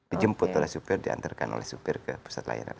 dijemput oleh supir diantarkan oleh supir ke pusat layanan